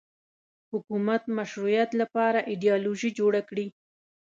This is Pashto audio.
حکومت مشروعیت لپاره ایدیالوژي جوړه کړي